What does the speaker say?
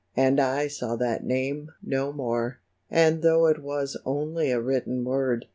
And I saw that name no more ! And though it was only a written word.